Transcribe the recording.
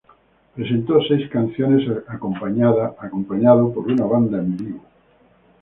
Presentó seis canciones acompañado por una banda en vivo.